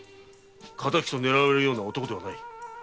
敵と狙われるような男ではない。